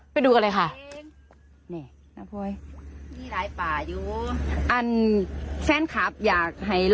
ไปดูกันเลยค่ะ